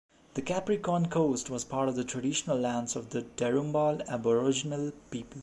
The Capricorn Coast was part of the traditional lands of the Darumbal Aboriginal people.